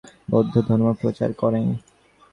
তিনি বহু বৌদ্ধ মন্দির স্থাপন করে ও বৌদ্ধ ধর্ম প্রচার করেন।